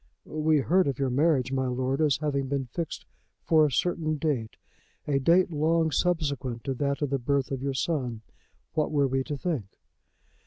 "We heard of your marriage, my lord, as having been fixed for a certain date, a date long subsequent to that of the birth of your son. What were we to think?"